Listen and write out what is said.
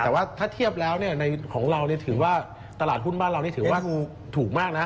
แต่ว่าถ้าเทียบแล้วของเราถือว่าตลาดหุ้นบ้านเรานี่ถือว่าถูกมากนะฮะ